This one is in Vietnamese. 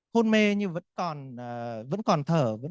hôn mê nhưng vẫn còn